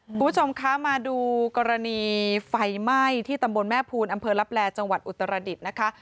คุณผู้ชมคะมาดูกรณีไฟไหม้ที่ตำบลแม่ภูลอำเภอลับแลจังหวัดอุตรดิษฐ์นะคะ